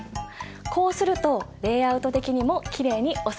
こうするとレイアウト的にもきれいに収まるし。